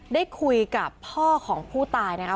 ได้คุยกับพ่อของผู้ตายนะคะ